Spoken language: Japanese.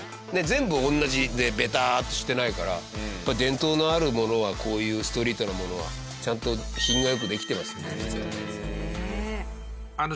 全部同じでベターッとしてないから伝統のあるものはこういうストリートのものはちゃんとそうなの！